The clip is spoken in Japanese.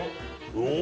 お！